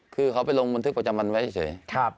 คือเขาไปลงบันทึกประจำวันไว้เฉย